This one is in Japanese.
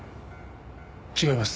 違います。